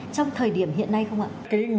trong thời điểm hiện nay không ạ